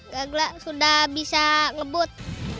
gak sudah bisa ngebut